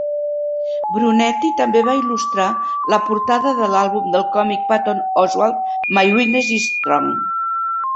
Brunetti també va il·lustrar la portada de l'àlbum del còmic Patton Oswalt, "My Weakness Is Strong".